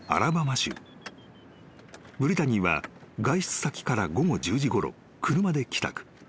［ブリタニーは外出先から午後１０時ごろ車で帰宅］